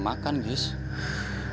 kamu tuh emang disahinan aja ya